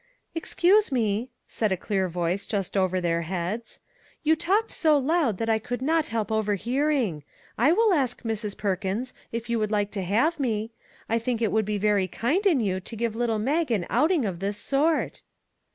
" Excuse me," said a clear voice just over their heads, " you talked so loud that I could not help overhearing. I will ask Mrs. Perkins if you would like to have me. I think it would be very kind in you to give little Mag an outing of this sort."